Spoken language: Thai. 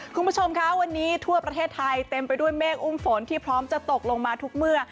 คุณผู้ชมคะวันนี้ทั่วประเทศไทยเต็มไปด้วยเมฆอุ้มฝนที่พร้อมจะตกลงมาทุกเมื่อ